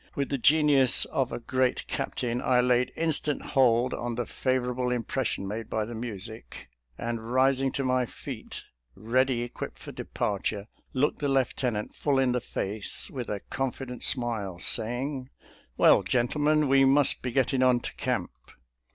With the genius of a great captain, I laid instant hold on the favor able impression made by the music, and rising to my feet, ready equipped for departure, looked the lieutenant full in the face with a confident smile, saying, " Well, gentlemen, we must be getting on to camp."